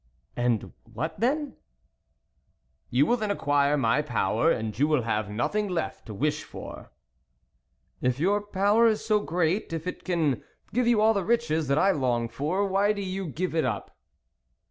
" And what then ?"" You will then acquire my power, and you will have nothing left to wish for." "If your power is so great, if it can give you all the riches that I long for, why do you give it up